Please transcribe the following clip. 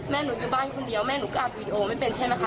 หนูอยู่บ้านคนเดียวแม่หนูก็อาบวีดีโอไม่เป็นใช่ไหมคะ